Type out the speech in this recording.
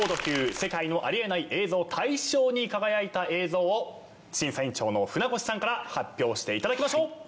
世界のありえない映像大賞」に輝いた映像を審査委員長の船越さんから発表していただきましょう。